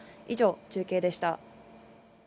以上、中継でした。